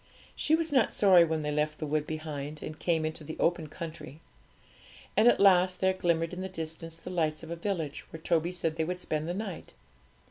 She was not sorry when they left the wood behind and came into the open country. And at last there glimmered in the distance the lights of a village, where Toby said they would spend the night.